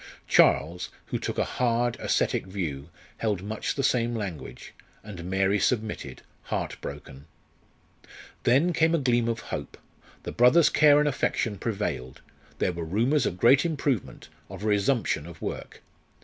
Charles, who took a hard, ascetic view, held much the same language, and Mary submitted, heart broken. Then came a gleam of hope. The brother's care and affection prevailed; there were rumours of great improvement, of a resumption of work.